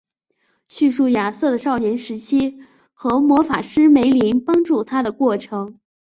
叙述亚瑟的少年时期和魔法师梅林帮助他的过程。